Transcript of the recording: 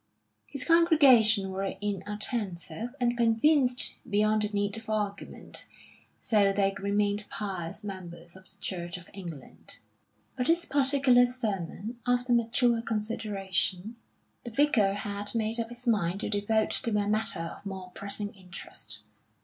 His congregation were inattentive, and convinced beyond the need of argument, so they remained pious members of the Church of England. But this particular sermon, after mature consideration, the Vicar had made up his mind to devote to a matter of more pressing interest.